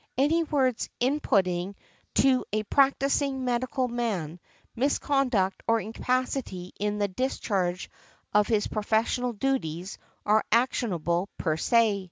Any words imputing to a practising medical man, misconduct or incapacity in the discharge of his professional duties, are actionable per se.